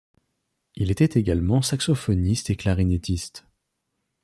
Il était également saxophoniste et clarinettiste.